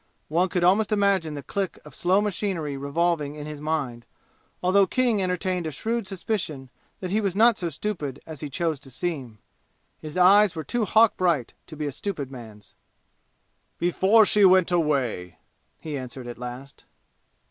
One could almost imagine the click of slow machinery revolving in his mind, although King entertained a shrewd suspicion that he was not so stupid as he chose to seem. His eyes were too hawk bright to be a stupid man's. "Before she went away," he answered at last.